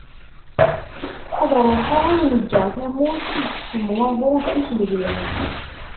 Ad ruḥeγ ad awen-ğğeγ tamurt i yekcem waḍu n tisselbi.